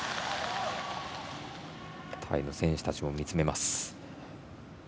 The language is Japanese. タイの選手たちも見つめます。